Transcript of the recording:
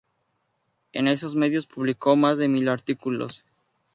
En esos medios publicó más de mil artículos.